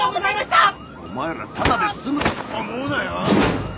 お前らただで済むと思うなよ！